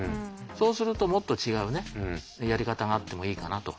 そうするともっと違うねやり方があってもいいかなと。